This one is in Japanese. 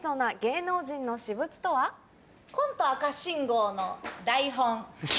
「コント赤信号の台本」。